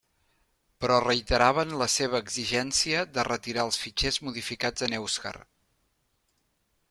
Però reiteraven la seva exigència de retirar els fitxers modificats en èuscar.